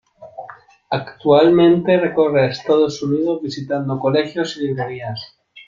Actualmente recorre Estados Unidos visitando colegios y librerías.